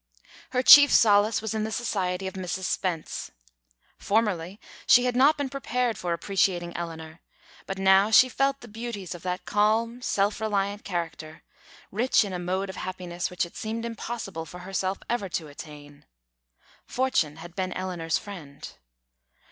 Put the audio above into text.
Her chief solace was in the society of Mrs. Spence. Formerly she had not been prepared for appreciating Eleanor, but now she felt the beauties of that calm, self reliant character, rich in a mode of happiness which it seemed impossible for herself ever to attain. Fortune had been Eleanor's friend.